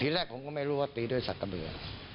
แรกผมก็ไม่รู้ว่าตีด้วยสักกระเบือ